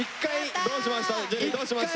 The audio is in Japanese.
どうしました？